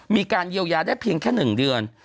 มีการเยียวยาได้เพียงแค่๑เดือน